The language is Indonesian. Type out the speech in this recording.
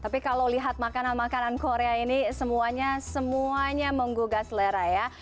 tapi kalau lihat makanan makanan korea ini semuanya menggugah selera ya